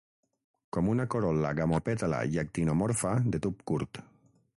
Com una corol·la gamopètala i actinomorfa de tub curt.